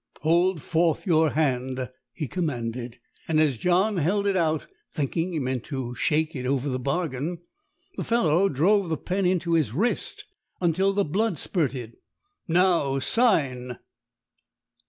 "Hold forth your hand," he commanded; and as John held it out, thinking he meant to shake it over the bargain, the fellow drove the pen into his wrist until the blood spurted. "Now sign!"